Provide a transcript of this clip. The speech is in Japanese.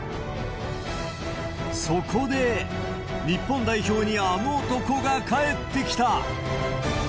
そこで、日本代表にあの男が帰ってきた。